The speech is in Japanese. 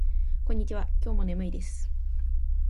こんにちは。今日も眠いです。